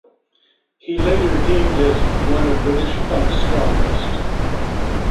He later deemed it "one of British punk's strongest".